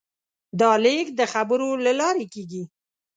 دا لېږد د خبرو له لارې کېږي.